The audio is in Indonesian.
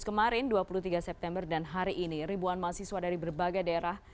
kemarin dua puluh tiga september dan hari ini ribuan mahasiswa dari berbagai daerah